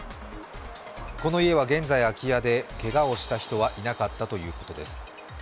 この家は現在、空き家でけがをした人はいなかったということです。